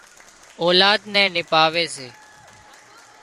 اولاد نين نپاوي سي